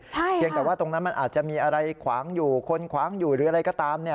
เพียงแต่ว่าตรงนั้นมันอาจจะมีอะไรขวางอยู่คนขวางอยู่หรืออะไรก็ตามเนี่ย